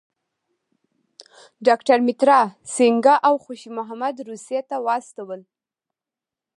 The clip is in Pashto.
ډاکټر مترا سینګه او خوشي محمد روسیې ته واستول.